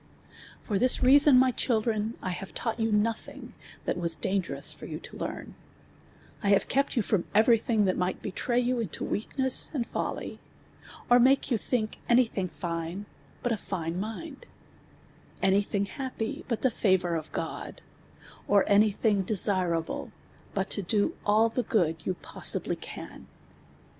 b\)V this reason, my children, I have tnut; ht you no ihin<>' that was dangerous for you to learn : 1 have kej)t you IVom every thiui; that mi:;ht betray you into weakness and lolly ; or make you think any thinj; line but a line mind ; any thim; ha])py but the favour of (joil ; or any thiuji;' desirable but to do all the i;()od you possibly can.